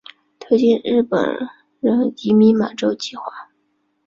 推进日本人移民满洲计划。